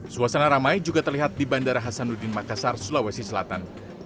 suasana ramai juga terlihat di bandara hasanuddin makassar sulawesi selatan